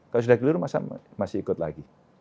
kalau sudah keliru masa masih ikut lagi